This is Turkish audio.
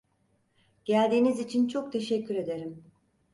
Geldiğiniz için çok teşekkür ederim.